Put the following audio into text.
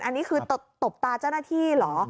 อันนี้คือตบตาเจ้าหน้าที่เหรอ